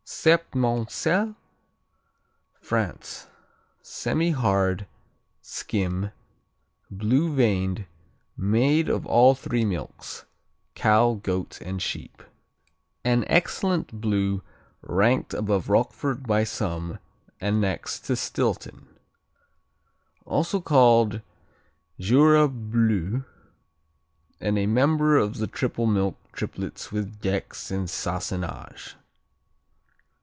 Septmoncel France Semihard; skim; blue veined; made of all three milks: cow, goat and sheep. An excellent "Blue" ranked above Roquefort by some, and next to Stilton. Also called Jura Bleu, and a member of the triple milk triplets with Gex and Sassenage.